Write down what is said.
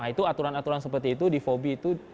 itu aturan aturan seperti itu di fobi itu